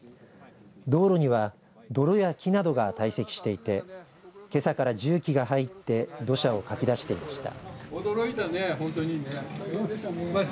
道路には泥や木などが堆積していてけさから重機が入って土砂をかき出していました。